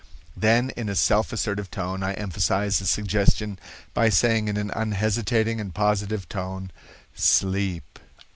Then in a self assertive tone, I emphasize the suggestion by saying in an unhesitating and positive tone, 'sleep.